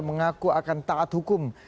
mengaku akan taat hukum